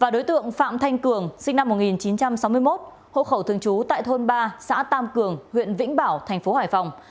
đối tượng phạm thanh cường sinh năm một nghìn chín trăm sáu mươi một hộ khẩu thường trú tại thôn ba xã tam cường huyện vĩnh bảo thành phố hải phòng